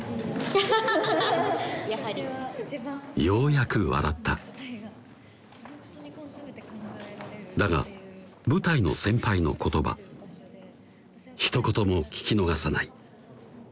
ようやく笑っただが舞台の先輩の言葉ひと言も聞き逃さない